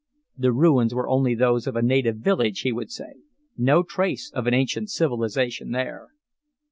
"The ruins were only those of a native village," he would say. "No trace of an ancient civilization there."